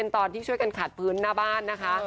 ตอนที่ช่วยกันขัดพื้นหน้าบ้านนะคะ